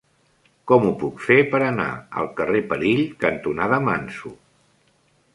Com ho puc fer per anar al carrer Perill cantonada Manso?